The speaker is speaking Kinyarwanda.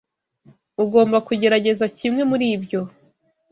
Ugomba kugerageza kimwe muri ibyo.